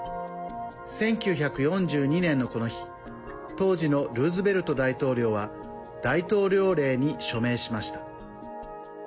１９４２年の、この日当時のルーズベルト大統領は大統領令に署名しました。